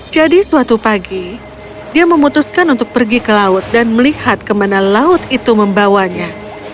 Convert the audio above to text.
jadi suatu pagi dia memutuskan untuk pergi ke laut dan melihat kemana laut itu membawanya